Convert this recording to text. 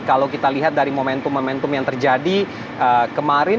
kalau kita lihat dari momentum momentum yang terjadi kemarin